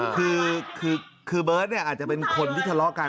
คือเบิร์ตอาจจะเป็นคนที่ทะเลาะกัน